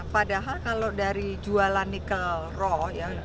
padahal kalau dari jualan nikel raw